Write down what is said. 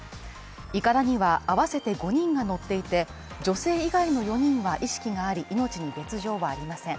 いかだには合わせて５人が乗っていて女性以外の４人は意識があり命に別状はありません。